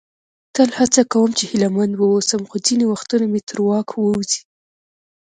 تل هڅه کوم چې هیله مند واوسم، خو ځینې وختونه مې تر واک ووزي.